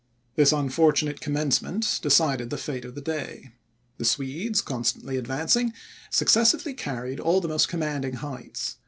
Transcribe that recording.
This unfortunate commencement decided the fate of the day. The Swedes, constantly advancing, successively carried all the most commanding heights.